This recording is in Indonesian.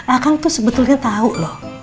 ah kang tuh sebetulnya tau loh